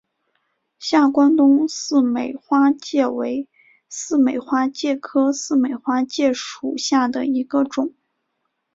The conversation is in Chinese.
下关东似美花介为似美花介科似美花介属下的一个种。